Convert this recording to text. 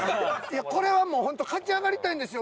これはホント勝ち上がりたいんですよ。